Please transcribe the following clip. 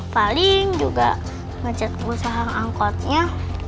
paling juga macet usaha angkotnya